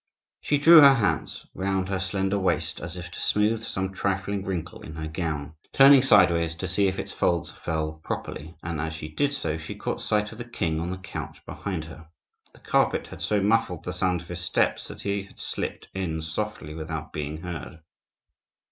She drew her hands round her slender waist as if to smooth some trifling wrinkle in her gown, turning sideways to see if its folds fell properly, and as she did so, she caught sight of the king on the couch behind her. The carpet had so muffled the sound of his steps that he had slipped in softly without being heard.